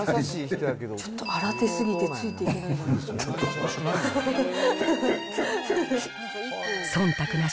ちょっと新手すぎてついていけない。